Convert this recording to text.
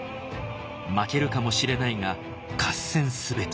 負けるかもしれないが合戦すべき」。